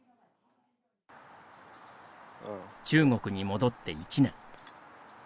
中国に戻って１年。